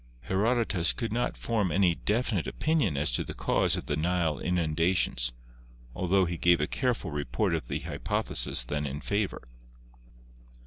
Herodotus could not form any definite opinion as to the cause of the Nile inundations, altho he gave a careful report of the hypotheses then in favor.